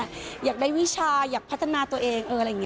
อยากได้วิชาอยากพัฒนาตัวเองอะไรอย่างนี้